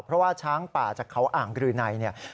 เพราะว่าช้างป่าจากเขาอ่างกรืณัย